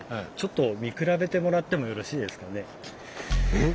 えっ？